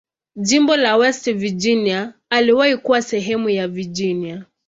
Jimbo la West Virginia iliwahi kuwa sehemu ya Virginia.